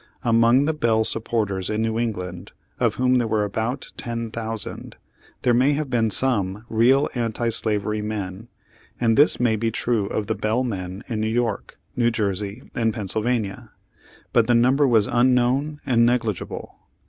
Among the Bell supporters in New England, of whom there were about ten thousand, there may have been some real anti slavery men, and this may be true of the Bell men in New York, New Jersey and Pennsylvania. But the number was unknown and negligible.